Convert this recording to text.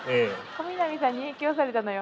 小南さんに影響されたのよ。